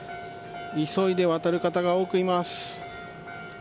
急いで渡る方が多くいます。